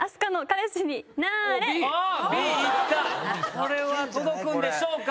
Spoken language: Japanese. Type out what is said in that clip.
これは届くんでしょうか？